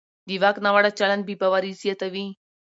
د واک ناوړه چلند بې باوري زیاتوي